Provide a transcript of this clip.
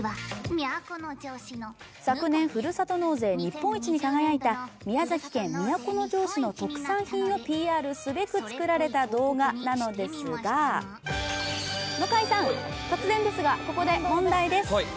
昨年ふるさと納税日本一に輝いた宮崎県都城市の特産品をＰＲすべく作られた動画なのですが、向井さん、突然ですが、ここで問題です。